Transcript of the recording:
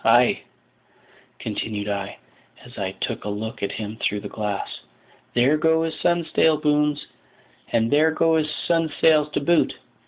Ay," continued I, as I took a look at him through the glass, "there go his stunsail booms, and there go his stunsails to boot.